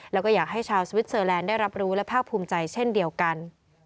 แล้วก็อยากให้ชาวสวิสเซอร์แลนด์ได้รับรู้และภาคภูมิใจเช่นเดียวกัน